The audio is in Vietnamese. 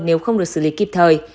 nếu không được xử lý kịp thời